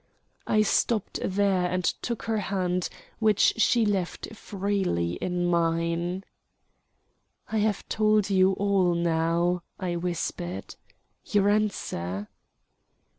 I stopped there and took her hand, which she left freely in mine. "I have told you all now," I whispered. "Your answer?"